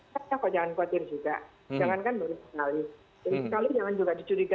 tapi saya kira jangan khawatir juga